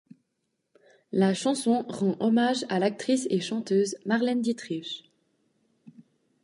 La chanson rend hommage à l'actrice et chanteuse Marlène Dietrich.